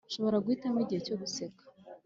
nshobora guhitamo igihe cyo guseka,